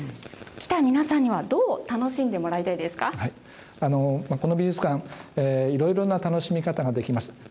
来た皆さんには、どう楽しんでもこの美術館、いろいろな楽しみかたができます。